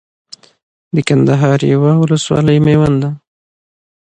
د کندهار يوه ولسوالي ميوند ده